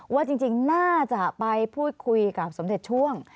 ว่าจริงน่าจะไปพูดคุยกับสมเด็จช่วง